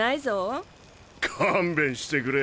勘弁してくれ。